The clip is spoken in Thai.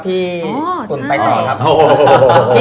พี่ปุ่นไปต่อครับ